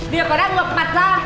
việc có đặt ngập mặt ra